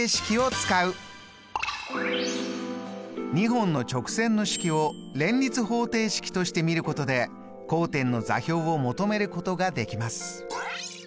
２本の直線の式を連立方程式として見ることで交点の座標を求めることができます。